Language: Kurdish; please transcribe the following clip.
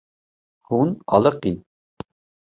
Hûn aliqîn.